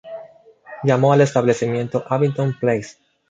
Llamó al establecimiento Abington Place.